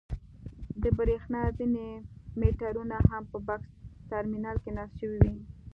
د برېښنا ځینې مېټرونه هم په بکس ټرمینل کې نصب شوي وي.